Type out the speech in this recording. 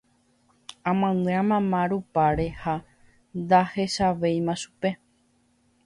amaña mama rupáre ha ndahechavéima chupe